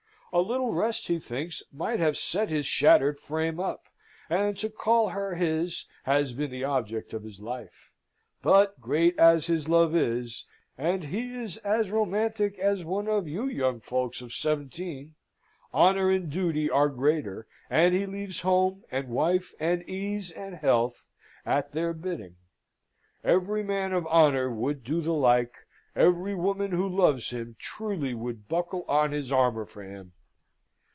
A little rest, he thinks, might have set his shattered frame up; and to call her his has been the object of his life. But, great as his love is (and he is as romantic as one of you young folks of seventeen), honour and duty are greater, and he leaves home, and wife, and ease, and health, at their bidding. Every man of honour would do the like; every woman who loves him truly would buckle on his armour for him.